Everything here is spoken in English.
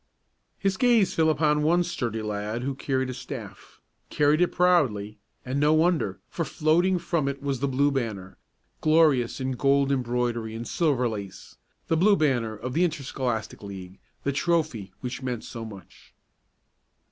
His gaze fell upon one sturdy lad who carried a staff carried it proudly and no wonder, for, floating from it was the Blue Banner, glorious in gold embroidery and silver lace the Blue Banner of the Interscholastic League the trophy which meant so much. "'Rah! 'Rah!